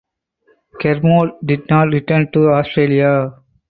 Kermode did not return to Australia.